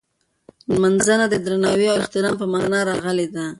نمځنه د درناوي او احترام په مانا راغلې ده.